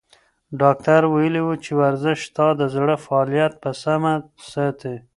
ډاکتر ویلي وو چې ورزش ستا د زړه فعالیت په سمه ساتي.